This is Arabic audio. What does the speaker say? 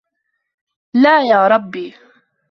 لَا يَا رَبِّ